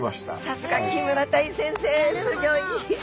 さすが木村大先生すギョい！